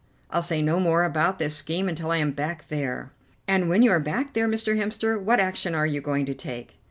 I'll say no more about this scheme until I am back there." "And when you are back there, Mr. Hemster, what action are you going to take?"